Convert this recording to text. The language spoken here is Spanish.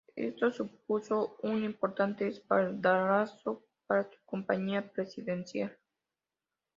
Esto supuso un importante espaldarazo para su campaña presidencial.